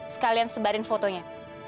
sekalian sebarin fotonya